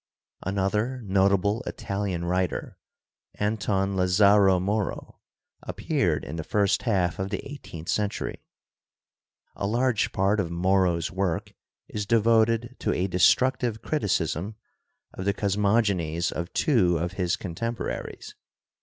Another notable Italian writer, Anton Lazzaro Moro, appeared in the first half of the eighteenth century. A large part of Moro's work is devoted to a destructive criticism of the cosmogonies of two of his contemporaries.